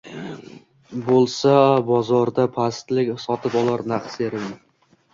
Bo’lsa bozorda pastlik, sotib olar taqsirim…